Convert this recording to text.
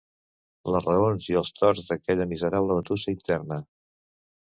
Les raons i els torts d'aquella miserable batussa interna